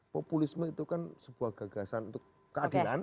populisme itu kan sebuah gagasan untuk keadilan